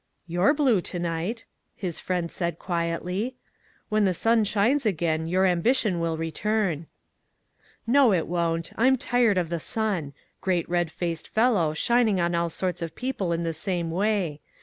" You're blue to night," his friend said 12 ONE COMMONPLACE DAY. quietly ;" when the sun shines again your ambition will return." "No, it won't; I'm tired of the sun; great red faced fellow, shining on all sorts of people in the same way.